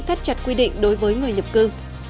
thắt chặt quy định đối với người nhập cư